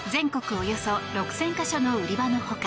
およそ６０００か所の売り場のほか